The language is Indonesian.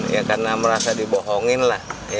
ya karena merasa dibohongin lah